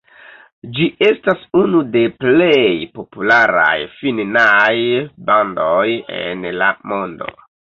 Ĝi estas unu de plej popularaj finnaj bandoj en la mondo.